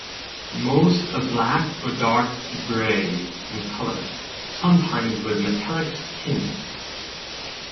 Most are black or dark grey in colour, sometimes with metallic tints.